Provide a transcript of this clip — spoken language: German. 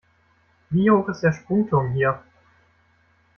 Wie hoch ist der Sprungturm hier?